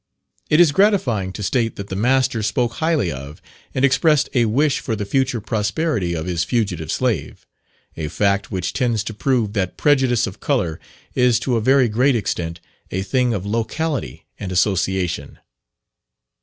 It is gratifying to state that the master spoke highly of, and expressed a wish for the future prosperity of, his fugitive slave; a fact which tends to prove that prejudice of colour is to a very great extent a thing of locality and association.